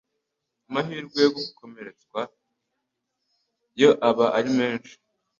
amahirwe yo gukomeretswa yo aba ari menshi.